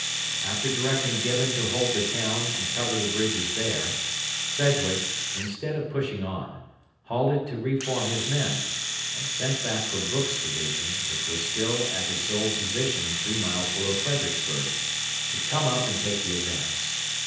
After directing Gibbon to hold the town and cover the bridges there, Sedgwick, instead of pushing on, halted to reform his men, and sent back for Brooks' division, which was still at its old position three miles below Fredericksburg, to come up and take the advance.